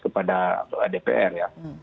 kepada dpr ya